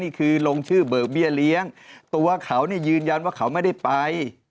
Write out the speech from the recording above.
นี่คือลงชื่อเบิกเบี้ยเลี้ยงตัวเขายืนยันว่าเขาไม่ได้ไป